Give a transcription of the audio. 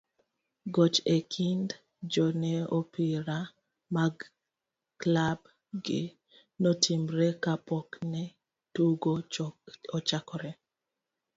goch e kind jo ne opira mag klab gi notimre kapokne tugo ochakre,